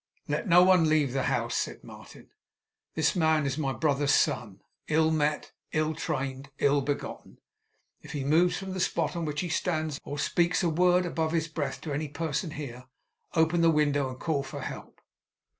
'Let no one leave the house,' said Martin. 'This man is my brother's son. Ill met, ill trained, ill begotten. If he moves from the spot on which he stands, or speaks a word above his breath to any person here, open the window, and call for help!